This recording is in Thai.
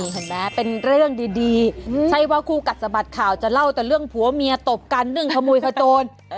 เห็นไหมเป็นเรื่องดีใช่ว่าคู่กัดสะบัดข่าวจะเล่าแต่เรื่องผัวเมียตบกันเรื่องขโมยขโจร